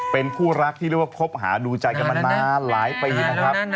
เป็นคู่รักที่เรียกว่าคบหาดูใจกันมานานหลายปีนะครับ